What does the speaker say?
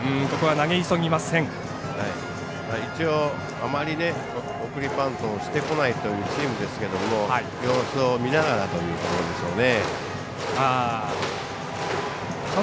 あまり送りバントをしてこないというチームですけど様子を見ながらというところですね。